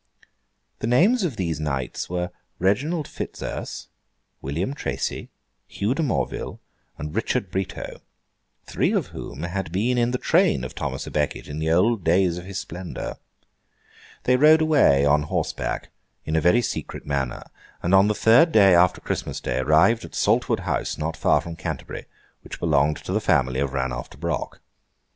The names of these knights were Reginald Fitzurse, William Tracy, Hugh de Morville, and Richard Brito; three of whom had been in the train of Thomas à Becket in the old days of his splendour. They rode away on horseback, in a very secret manner, and on the third day after Christmas Day arrived at Saltwood House, not far from Canterbury, which belonged to the family of Ranulf de Broc.